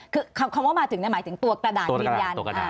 คือคำว่ามาถึงหมายถึงตัวกระดาษยืนยัน